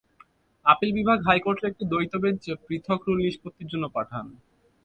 Appeal বিভাগ হাইকোর্টের একটি দ্বৈত বেঞ্চে পৃথক রুল নিষ্পত্তির জন্য পাঠান।